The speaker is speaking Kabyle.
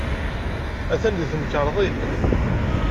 Atan deg temkarḍit.